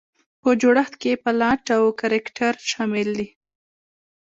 په جوړښت کې یې پلاټ او کرکټر شامل دي.